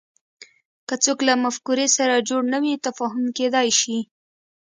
که څوک له مفکورې سره جوړ نه وي تفاهم کېدای شي